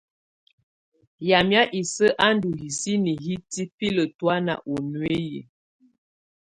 Yamɛ̀á isǝ́ á ndù hisini hitibilǝ tɔ̀ána ù nuiyi.